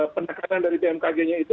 penekanan dari bmkg nya itu